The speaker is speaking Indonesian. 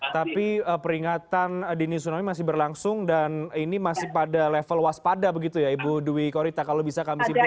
tapi peringatan dini tsunami masih berlangsung dan ini masih pada level waspada begitu ya ibu dwi korita kalau bisa kami simpulkan